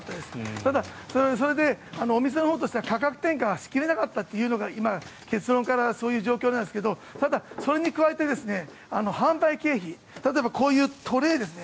ただ、それでお店のほうとしては価格転嫁がしきれなかったというのが今、結論からそういう状況なんですがただ、それに加えて販売経費例えば、こういうトレーですね